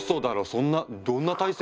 そんなどんな体勢？